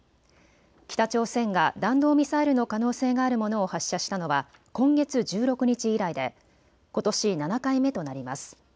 北朝鮮が弾道ミサイルの可能性があるものを発射したのは今月１６日以来でことし７回目となります。